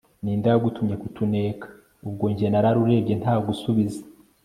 ninde wagutumye kutuneka!? ubwo njye nararurebye ntagusubiza